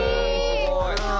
すごい。